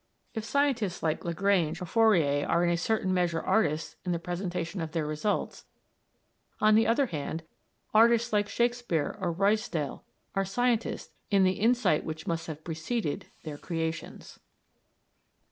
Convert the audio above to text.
If scientists like Lagrange or Fourier are in a certain measure artists in the presentation of their results, on the other hand, artists like Shakespeare or Ruysdael are scientists in the insight which must have preceded their creations.